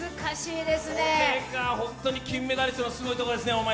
これがホントに金メダリストのすごいところですね。